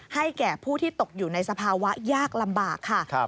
ให้แก่ผู้ที่ตกอยู่ในสภาวะยากลำบากค่ะ